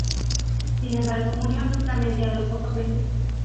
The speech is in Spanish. Sin embargo, murió abruptamente a los pocos meses.